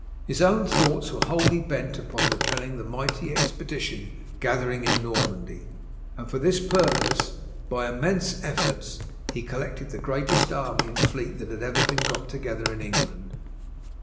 His own thoughts were wholly bent upon repelling the mighty expedition gathering in Normandy, and for this purpose, by immense efforts, he collected the greatest army and fleet that had ever been got together in England.